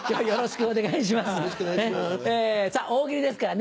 よろしくお願いします。